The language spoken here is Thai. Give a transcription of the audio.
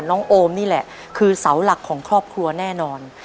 โอมนี่แหละคือเสาหลักของครอบครัวแน่นอน